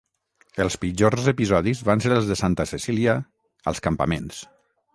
Els pitjors episodis van ser els de Santa Cecília, als campaments.